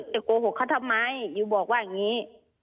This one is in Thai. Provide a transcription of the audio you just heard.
โกหกเขาทำไมอิวบอกว่าอย่างนี้